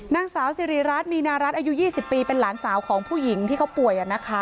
นางสาวสิริรัตน์มีนารัฐอายุ๒๐ปีเป็นหลานสาวของผู้หญิงที่เขาป่วย